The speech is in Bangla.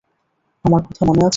আমার কথা মনে আছে?